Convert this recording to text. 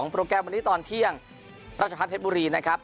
โปรแกรมวันนี้ตอนเที่ยงราชพัฒนเพชรบุรีนะครับ